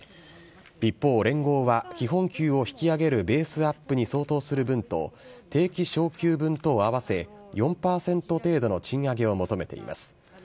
一方、連合は基本給を引き上げるベースアップに相当する分と、定期昇給分とを合わせ、４％程度の賃上げを求めています。